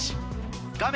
画面